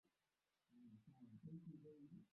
Mtaa ninaoishi kuna usalama